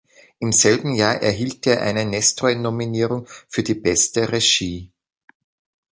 Im selben Jahr erhielt er eine Nestroy-Nominierung für die „Beste Regie“.